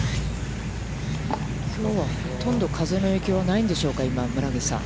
きょうは、ほとんど風の影響がないんでしょうか、村口さん。